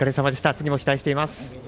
次も期待しています。